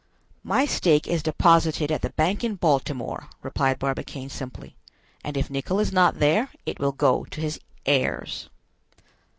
"My stake is deposited at the bank in Baltimore," replied Barbicane simply; "and if Nicholl is not there, it will go to his heirs."